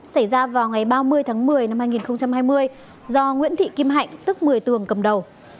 xảy ra vào ngày ba mươi tháng một mươi năm hai nghìn hai mươi do nguyễn thị kim hạnh tức một mươi tường cầm đầu